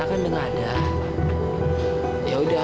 aku kerja dulu